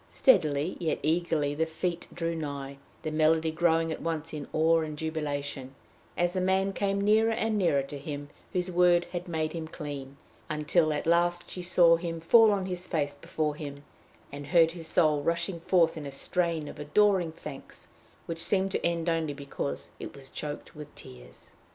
Steadily yet eagerly the feet drew nigh, the melody growing at once in awe and jubilation, as the man came nearer and nearer to him whose word had made him clean, until at last she saw him fall on his face before him, and heard his soul rushing forth in a strain of adoring thanks, which seemed to end only because it was choked in tears.